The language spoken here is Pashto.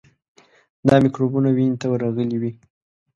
دا میکروبونه وینې ته ورغلي وي.